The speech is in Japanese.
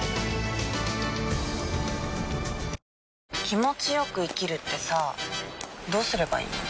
気持ちよく生きるってさどうすればいいの？